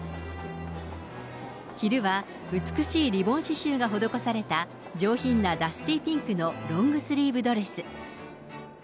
昼は美しいリボン刺しゅうが施された上品なダスティーピンクのロングスリーブドレス。